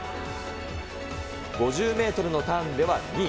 ５０メートルのターンでは２位。